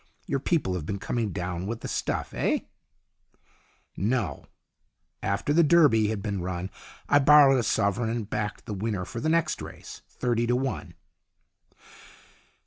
Your people have been coming down with the stuff, eh ?"" No. After the Derby had been run I borrowed a sovereign, and backed the winner for the next race. Thirty to one."